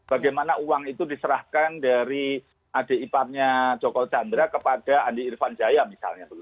bagaimana uang itu diserahkan dari adik iparnya joko chandra kepada andi irfan jaya misalnya